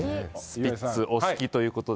スピッツお好きということで。